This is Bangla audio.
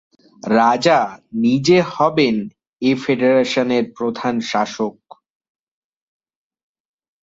রাজা নিজে হবেন এ ফেডারেশনের প্রধান শাসক।